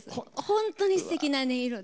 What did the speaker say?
本当にすてきな音色で。